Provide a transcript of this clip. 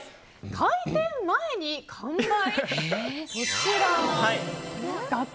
開店前に完売？